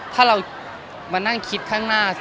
ถ้าเรามานั่งคิดข้างหน้า